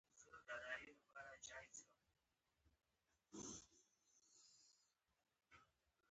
لاسونه د کور سامان نیسي